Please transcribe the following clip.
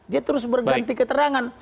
dia terus berganti keterangan